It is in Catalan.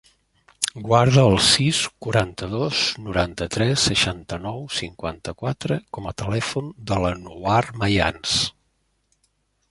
Guarda el sis, quaranta-dos, noranta-tres, seixanta-nou, cinquanta-quatre com a telèfon de l'Anouar Mayans.